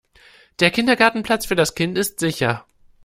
Der Kindergartenplatz für das Kind ist sicher.